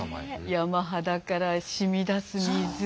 山肌から染み出す水。